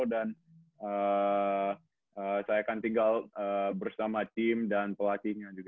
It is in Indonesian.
dan saya akan tinggal bersama tim dan pelatihnya juga